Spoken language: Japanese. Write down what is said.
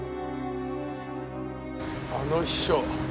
あの秘書